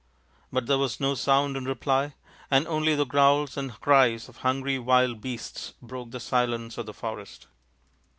But there was no sound in reply, and only the growls and cries of hungry wild beasts broke the silence of the forest.